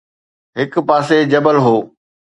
هڪ پاسي جبل هو